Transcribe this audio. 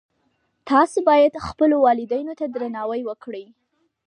تاسو باید خپلو والدینو ته درناوی وکړئ